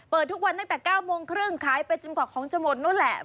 ทุกวันตั้งแต่๙โมงครึ่งขายไปจนกว่าของจะหมดนู้นแหละ